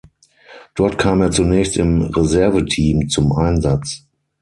Dort kam er zunächst im Reserveteam zum Einsatz.